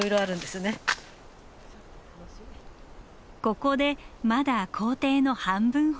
ここでまだ行程の半分ほど。